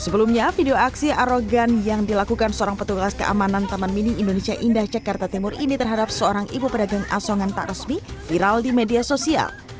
sebelumnya video aksi arogan yang dilakukan seorang petugas keamanan taman mini indonesia indah jakarta timur ini terhadap seorang ibu pedagang asongan tak resmi viral di media sosial